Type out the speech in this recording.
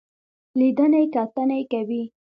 لیدنې کتنې کوي.